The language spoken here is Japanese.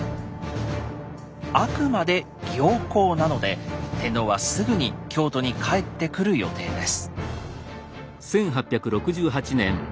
あくまで「行幸」なので天皇はすぐに京都に帰ってくる予定です。